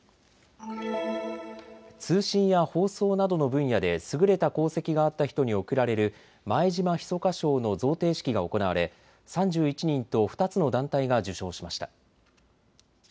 通信や放送などの分野で優れた功績があった人に贈られる前島密賞の贈呈式が行われ３１人と２つの団体が受賞しました。